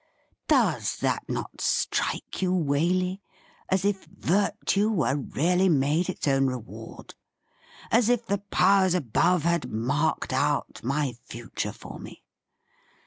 Does that not strike you, Waley, as if virtue were really made its own reward, as if the powers above had marked out my future for me